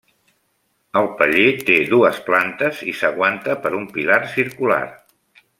El paller té dues plantes i s'aguanta per un pilar circular.